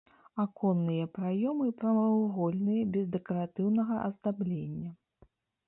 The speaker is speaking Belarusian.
Аконныя праёмы прамавугольныя без дэкаратыўнага аздаблення.